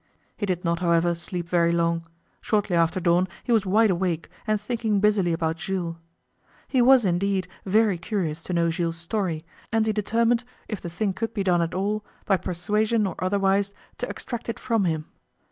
He did not, however, sleep very long. Shortly after dawn he was wide awake, and thinking busily about Jules. He was, indeed, very curious to know Jules' story, and he determined, if the thing could be done at all, by persuasion or otherwise, to extract it from him.